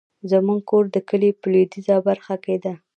زمونږ کور د کلي په لويديځه برخه کې ده